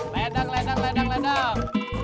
ledang ledang ledang ledang